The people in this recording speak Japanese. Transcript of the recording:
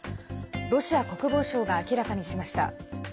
ロシア国防省が明らかにしました。